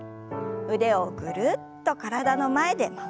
腕をぐるっと体の前で回しましょう。